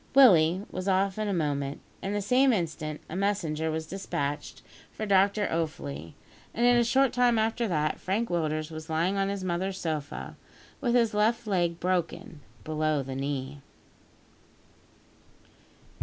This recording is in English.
Willie was off in a moment. At the same instant, a messenger was despatched for Dr Offley, and in a short time after that, Frank Willders was lying on his mother's sofa, with his left leg broken below the knee.